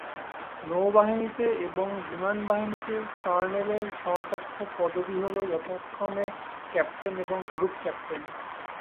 নৌবাহিনীতে এবং বিমান বাহিনীতে কর্নেল-এর সমকক্ষ পদবী হলো যথাক্রমে ক্যাপ্টেন এবং গ্রুপ ক্যাপ্টেন।